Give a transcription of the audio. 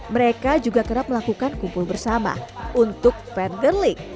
mereka juga kerap melakukan kumpul bersama untuk fenderlink